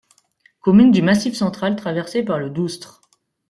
Commune du Massif central traversée par le Doustre.